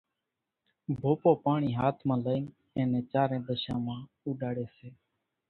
ڀوپوپاڻي ھاٿ مان لئين اين نين چارين ۮشان مان اُوڏاڙي سي